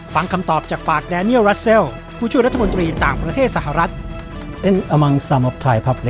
ฟังคำตอบจากปากแดเนียลรัสเซลผู้ช่วยรัฐมนตรีต่างประเทศสหรัฐ